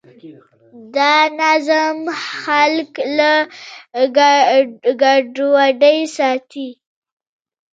دا نظم خلک له ګډوډۍ ساتي.